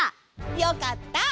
よかった！